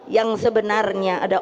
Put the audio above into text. yang sebenarnya ada